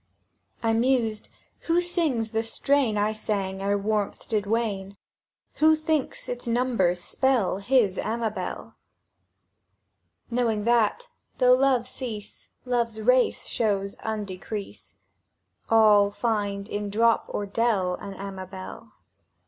I mused: "Who sings the strain I sang ere warmth did wane? Who thinks its numbers spell His Amabel?"— Knowing that, though Love cease, Love's race shows undecrease; All find in dorp or dell An Amabel.